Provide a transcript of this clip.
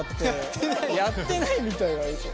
「やってないみたい」はうそ。